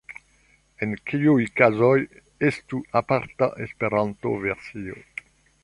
En kiuj kazoj estu aparta Esperanto-versio?